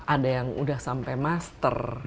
ada yang udah sampai master